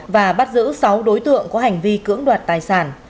và bắt giữ sáu đối tượng có hành vi cưỡng đoạt tài sản